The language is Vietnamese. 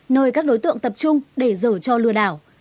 nơi các đối tượng tập trung để dở cho lừa đảo